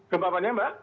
gempa apaan ya mbak